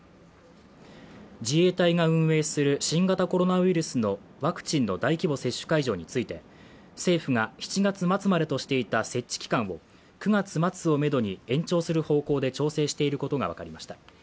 自衛隊が運営する新型コロナウイルスのワクチンの大規模接種会場について政府が７月末までとしていた設置期間を、９月末をめどに延長する方向で調整していることが分かりました。